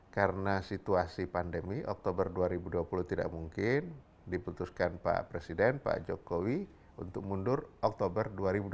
karena situasi pandemi oktober dua ribu dua puluh tidak mungkin diputuskan pak presiden pak jokowi untuk mundur oktober dua ribu dua puluh satu